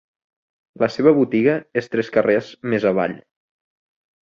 La seva botiga és tres carrers més avall.